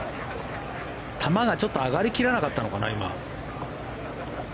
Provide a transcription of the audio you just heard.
球がちょっと上がり切らなかったのかな今。